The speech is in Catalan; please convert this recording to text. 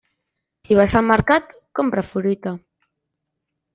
Si vas al mercat, compra fruita.